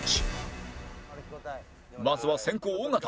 まずは先攻尾形